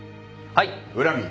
はい